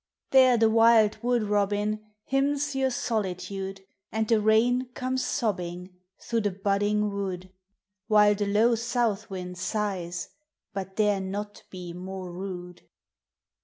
There the wild wood robin, Hymns 3 T our solitude; And the rain comes sobbing Through the budding wood, While the low south wind sighs, but dare not be more rude.